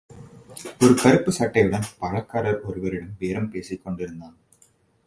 ஒரு கறுப்புச் சட்டையுடன், பழக்காரர் ஒருவரிடம் பேரம் பேசிக்கொண்டிருந்தான்.